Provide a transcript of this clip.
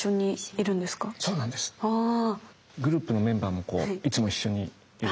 グループのメンバーもいつも一緒にいる？